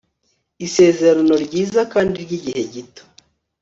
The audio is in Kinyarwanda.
Isezerano ryiza kandi ryigihe gito